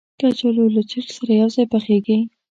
کچالو له چرګ سره یو ځای پخېږي